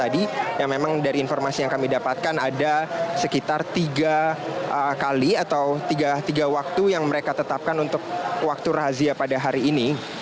dan memang dari informasi yang kami dapatkan ada sekitar tiga kali atau tiga waktu yang mereka tetapkan untuk waktu rahasia pada hari ini